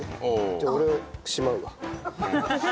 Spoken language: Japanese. じゃあ俺しまうわ。